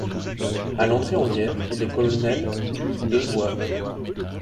À l'entrée en guerre, il est colonel du de zouaves.